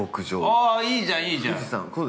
◆あー、いいじゃんいいじゃん。